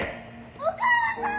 お母さん！